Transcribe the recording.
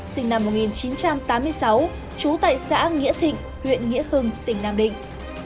sinh năm một nghìn chín trăm tám mươi sáu trú tại xã nghĩa thịnh huyện nghĩa hưng tỉnh nam định